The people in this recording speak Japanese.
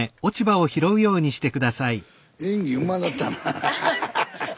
演技うまなったな。